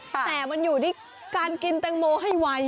แต่มันอยู่ที่การกินแตงโมให้ไว